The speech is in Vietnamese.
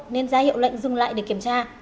nên ra hiệu lệnh dừng lại để kiểm tra